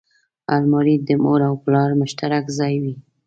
الماري د مور او پلار مشترک ځای وي